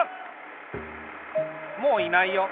もういないよ。